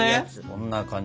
こんな感じ。